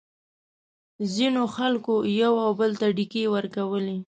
ځینو خلکو یو او بل ته ډیکې ورکولې.